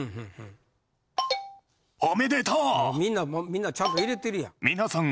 みんなちゃんと入れてるやん。